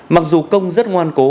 mặc dù công rất ngoan cố